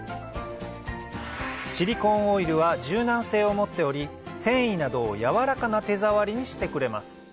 シリコーンオイルは柔軟性を持っており繊維などをやわらかな手触りにしてくれます